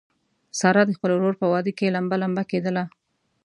ساره د خپل ورور په واده کې لمبه لمبه کېدله.